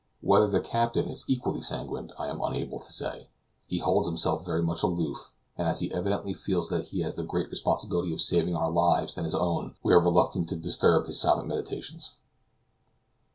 Whether the captain is equally sanguine I am unable to say. He holds himself very much aloof, and as he evidently feels that he has the great responsibility of saving other lives than his own, we are reluctant to disturb his silent meditations.